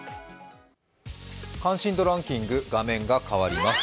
関心度ランキング、画面が変わります。